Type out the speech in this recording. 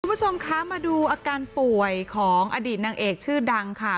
คุณผู้ชมคะมาดูอาการป่วยของอดีตนางเอกชื่อดังค่ะ